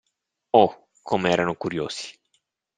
Oh, come erano curiosi!